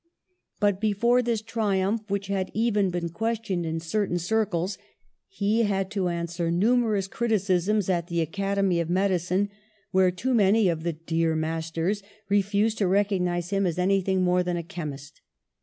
But before this triumph — which had even been questioned in certain circles — he had to answer numerous criticisms at the Academy of Medicine, where too many of the ^^dear mas ters" refused to recognise him as anything more than a chemist.